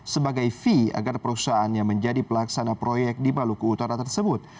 sebagai fee agar perusahaan yang menjadi pelaksana proyek di maluku utara tersebut